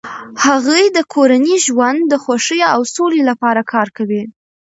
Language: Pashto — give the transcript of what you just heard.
هغې د کورني ژوند د خوښۍ او سولې لپاره کار کوي.